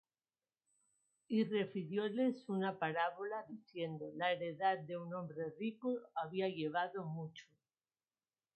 Y refirióles una parábola, diciendo: La heredad de un hombre rico había llevado mucho;